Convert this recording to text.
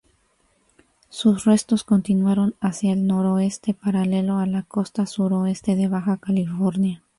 Sus restos continuaron hacia el noroeste paralelo a la costa suroeste de Baja California.